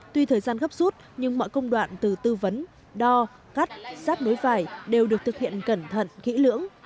tuy thời gian gấp rút nhưng mọi công đoạn từ tư vấn đo cắt sát nối vải đều được thực hiện cẩn thận kỹ lưỡng